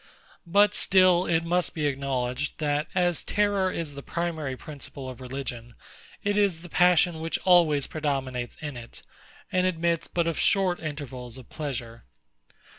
But still it must be acknowledged, that, as terror is the primary principle of religion, it is the passion which always predominates in it, and admits but of short intervals of pleasure.